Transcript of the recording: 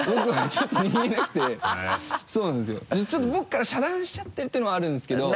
ちょっと僕から遮断しちゃってるていうのもあるんですけど。